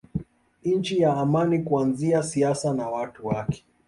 Nchi ya amani kuanzia siasa na watu wake